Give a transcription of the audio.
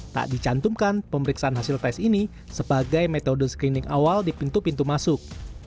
tak dicantumkan pemeriksaan hasil tes ini sebagai metode screening awal di pintu pintu masuk